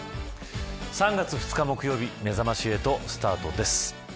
３月２日木曜日めざまし８スタートです